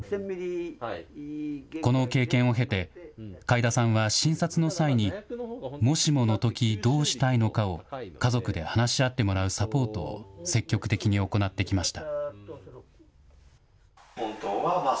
この経験を経て、開田さんは診察の際に、もしもの時、どうしたいのかを家族で話し合ってもらうサポートを積極的に行ってきました。